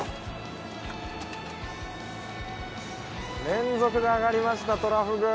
連続で揚がりましたトラフグ。